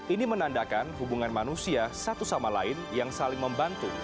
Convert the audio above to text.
ini menandakan hubungan manusia satu sama lain yang saling membantu